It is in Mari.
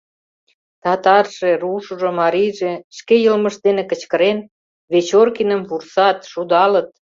Татарже, рушыжо, марийже, шке йылмышт дене кычкырен, Вечоркиным вурсат, шудалыт.